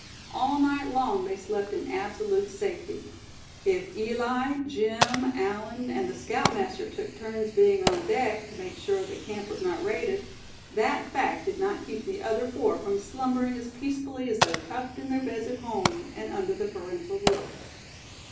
All night long they slept in absolute safety. If Eli, Jim, Allan and the scoutmaster took turns being on deck, to make sure the camp was not raided, that fact did not keep the other four from slumbering as peacefully as though tucked in their beds at home, and under the parental roof.